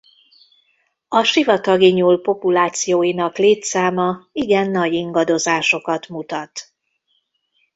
A sivatagi nyúl populációinak létszáma igen nagy ingadozásokat mutat.